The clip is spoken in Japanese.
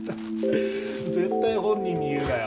絶対本人に言うなよ。